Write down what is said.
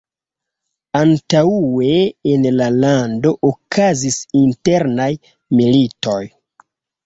Antaŭe en la lando okazis internaj militoj.